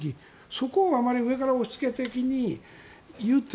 そこをあまり上から押し付け的に言っても。